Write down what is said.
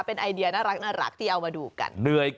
เป็นไอเดียน่ารักที่เอามาดูกัน